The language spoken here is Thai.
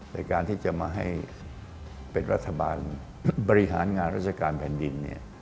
ในการที่จะมาให้เป็นรัฐบาลบริหารงานราชการแผ่นดินเนี่ย